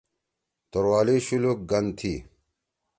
توروالی شولوک گن تھی